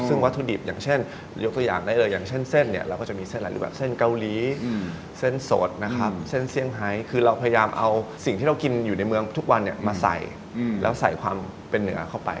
ซึ่งวัตถุดิบอย่างเช่นยกตัวอย่างได้เลยอย่างเช่นเส้นเนี่ยเราก็จะมีเส้นอะไรหรือแบบเส้นเกาหลีเส้นสดนะครับเส้นเซี่ยงไฮคือเราพยายามเอาสิ่งที่เรากินอยู่ในเมืองทุกวันเนี่ยมาใส่แล้วใส่ความเป็นเหนือเข้าไป